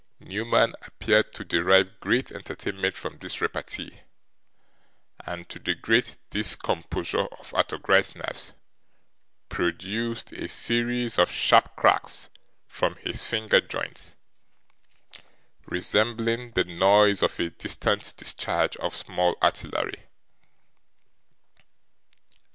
Newman appeared to derive great entertainment from this repartee, and to the great discomposure of Arthur Gride's nerves, produced a series of sharp cracks from his finger joints, resembling the noise of a distant discharge of small artillery.